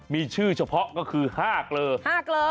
มีชื่อเฉพาะก็คือ๕เกลอ๕เกลอ